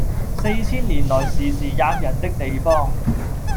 四千年來時時喫人的地方，